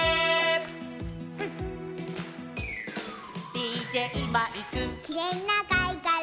「ＤＪマイク」「きれいなかいがら」